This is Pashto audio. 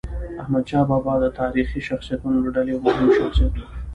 احمدشاه بابا د تاریخي شخصیتونو له ډلې یو مهم شخصیت و.